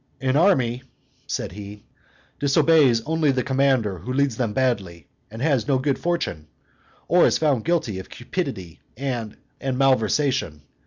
"An army," said he, "disobeys only the commander who leads them badly and has no good fortune, or is found guilty of cupidity and malversation.